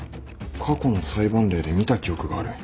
過去の裁判例で見た記憶がある。